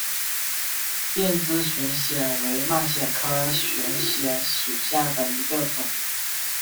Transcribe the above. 鞭枝悬藓为蔓藓科悬藓属下的一个种。